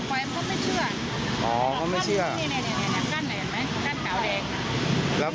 แล้วเขารื้อถอนมานานยัง